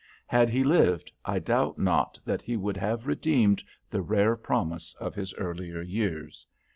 Had he lived, I doubt not that he would have redeemed the rare promise of his earlier years.